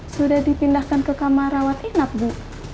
sudah dipindahkan ke kamar rawat inap bu